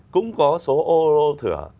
cũng có số ô lô thửa